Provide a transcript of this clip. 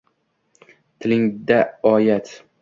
tilingda oyat